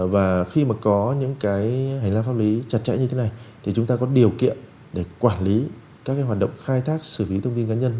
và khi mà có những cái hành lang pháp lý chặt chẽ như thế này thì chúng ta có điều kiện để quản lý các cái hoạt động khai thác xử lý thông tin cá nhân